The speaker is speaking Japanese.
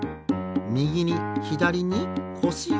みぎにひだりにこしをふる。